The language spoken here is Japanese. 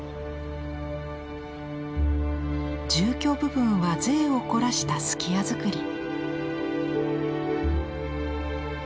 住居部分は贅を凝らした数寄屋造り。